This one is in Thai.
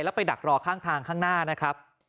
แล้วไปดักรอข้างทางข้างหน้านะครับ